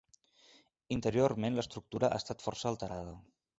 Interiorment l'estructura ha estat força alterada.